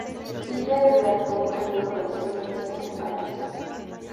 Vive durante un período de seis meses en París.